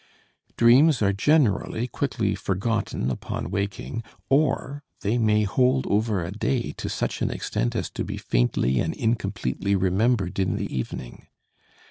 Dreams are generally quickly forgotten upon waking, or they may hold over a day to such an extent as to be faintly and incompletely remembered in the evening.